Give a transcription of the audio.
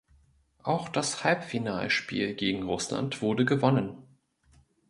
Auch das Halbfinalspiel gegen Russland wurde gewonnen.